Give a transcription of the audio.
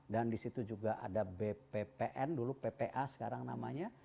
dan disitu juga ada bppn dulu ppa sekarang namanya